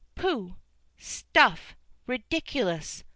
"Pooh! stuff! ridiculous!"